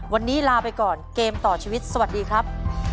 วันนี้ลาไปก่อนเกมต่อชีวิตสวัสดีครับ